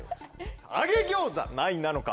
揚げ餃子何位なのか？